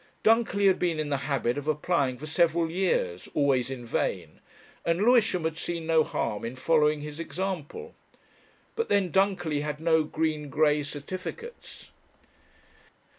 Dunkerley had been in the habit of applying for several years, always in vain, and Lewisham had seen no harm in following his example. But then Dunkerley had no green grey certificates.